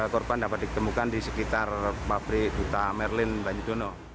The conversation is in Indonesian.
korban dapat ditemukan di sekitar pabrik duta merlin banyudono